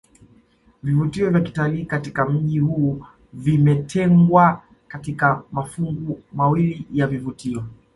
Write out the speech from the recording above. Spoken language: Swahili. Vivutio vya kitalii katika mji huu vimetengwa katika mafungu mawili ya vivutio